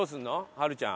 はるちゃん。